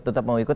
tetap mau ikut